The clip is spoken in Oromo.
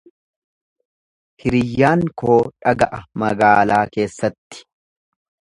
Hiriyyaan koo dhaga'a magaalaa keessatti.